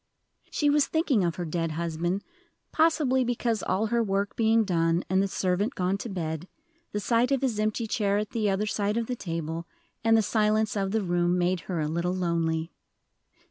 She was thinking of her dead husband, possibly because all her work being done, and the servant gone to bed, the sight of his empty chair at the other side of the table, and the silence of the room, made her a little lonely.